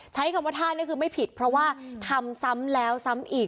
ใช้คำว่าท่านี้คือไม่ผิดเพราะว่าทำซ้ำแล้วซ้ำอีก